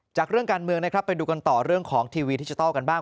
จากเรื่องการเมืองไปดูกันต่อเรื่องของทีวีดิจาลกันบ้าง